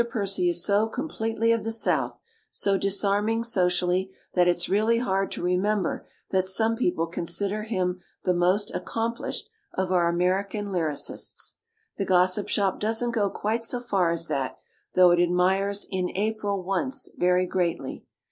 Percy is so completely of the south, so disarming socially, that if s really hard to remember that some people consider him the most ac complished of our American lyricists. The Gossip Shop doesn't go quite so far as that, though it admires "In April Once" very greatly.